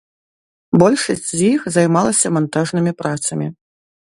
Большасць з іх займалася мантажнымі працамі.